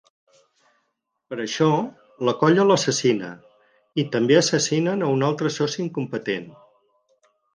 Per això, la colla l'assassina, i també assassinen a un altre soci incompetent.